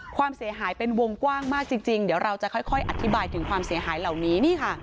ความเสียหายเป็นวงกว้างมากจริงเดี๋ยวเราจะค่อยอธิบายถึงความเสียหายเหล่านี้นี่ค่ะ